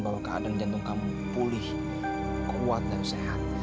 bahwa keadaan jantung kamu pulih kuat dan sehat